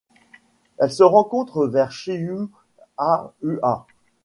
Elle se rencontre vers Chihuahua.